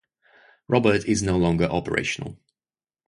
Robert is no longer operational.